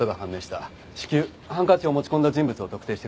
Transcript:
至急ハンカチを持ち込んだ人物を特定してくれ。